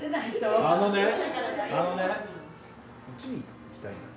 あのね。